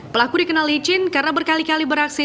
pelaku dikenal licin karena berkali kali beraksi